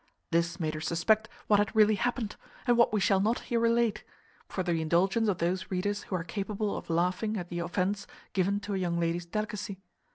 This made her suspect what had really happened, and what we shall not here relate for the indulgence of those readers who are capable of laughing at the offence given to a young lady's delicacy.